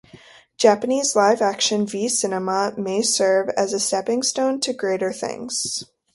Japanese live action V-Cinema may serve as a stepping stone to greater things.